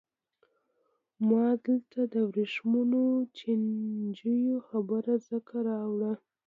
ما دلته د ورېښمو چینجیو خبره ځکه راوړه.